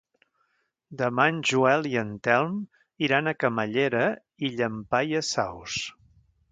Demà en Joel i en Telm iran a Camallera i Llampaies Saus.